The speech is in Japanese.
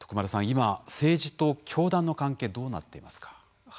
今政治と教団の関係どうなっていますか？